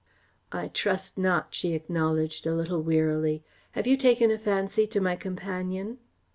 "I trust not," she acknowledged a little wearily. "Have you taken a fancy to my companion?"